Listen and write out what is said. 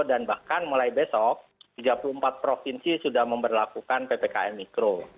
dan bahkan mulai besok tiga puluh empat provinsi sudah memperlakukan ppkm mikro